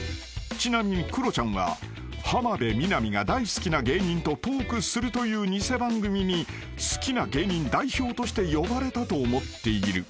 ［ちなみにクロちゃんは浜辺美波が大好きな芸人とトークするという偽番組に好きな芸人代表として呼ばれたと思っている］